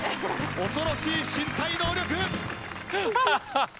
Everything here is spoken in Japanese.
恐ろしい身体能力！